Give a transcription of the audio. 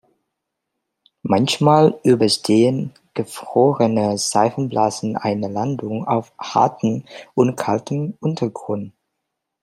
Manchmal überstehen gefrorene Seifenblasen eine Landung auf hartem und kaltem Untergrund.